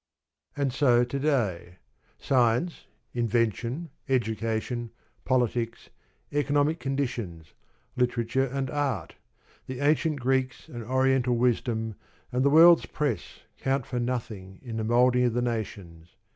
And so to day: science, invention, education, politics, economic conditions, literature and art, the ancient Greeks and Oriental Wisdom, and the world's Press count for nothing in the moulding of the nations.